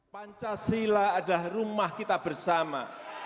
pancasila adalah rumah kita bersama